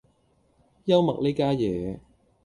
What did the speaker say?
幽默呢家嘢